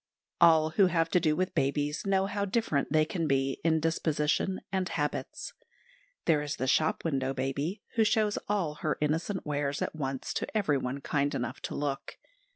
All who have to do with babies know how different they can be in disposition and habits. There is the shop window baby, who shows all her innocent wares at once to everyone kind enough to look.